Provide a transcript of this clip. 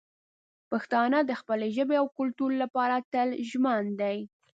پښتانه د خپلې ژبې او کلتور لپاره تل ژمن دي.